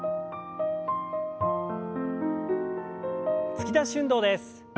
突き出し運動です。